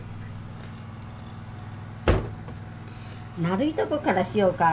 丸いとこからしようか？